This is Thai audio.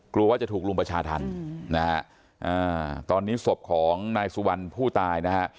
กลัวว่าจะถูกรุมประชาธรรมนะฮะตอนนี้ศพของนายสุวรรณผู้ตายนะฮะ